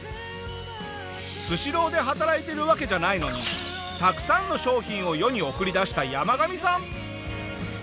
スシローで働いてるわけじゃないのにたくさんの商品を世に送り出したヤマガミさん。